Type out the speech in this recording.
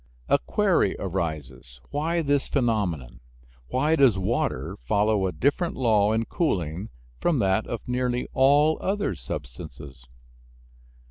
A query arises, Why this phenomenon? Why does water follow a different law in cooling from that of nearly all other substances?